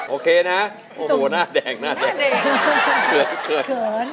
โอเคนะโอ้โหหน้าแดงเขือน